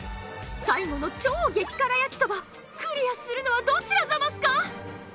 最後の超激辛焼きそばクリアするのはどちらザマスか？